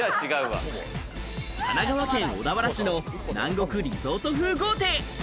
神奈川県小田原市の南国リゾート風豪邸。